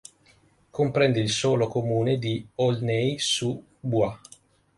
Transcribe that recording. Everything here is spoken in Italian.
Comprende il solo comune di Aulnay-sous-Bois.